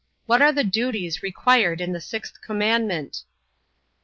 What are the duties required in the sixth commandment?